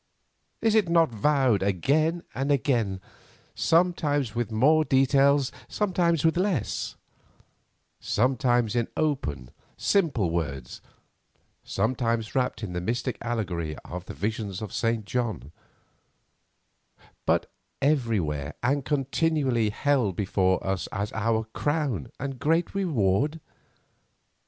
Is it not vowed again and again, sometimes with more detail, sometimes with less; sometimes in open, simple words, sometimes wrapped in the mystic allegory of the visions of St. John; but everywhere and continually held before us as our crown and great reward?